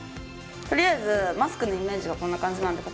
とりあえずマスクのイメージはこんな感じなんで